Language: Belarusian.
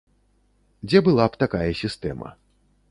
Дзе была б такая сістэма.